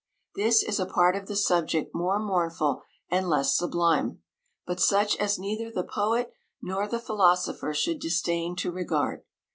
This is a part of the subject more mournful and less sublime; but such as neither the poet nor the philosopher should disdain to regard.